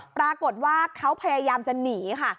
ปรากฏว่าเขาพยายามจะหนีค่ะ